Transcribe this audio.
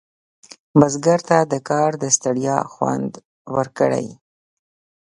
بزګر ته د کار د ستړیا خوند ورکړي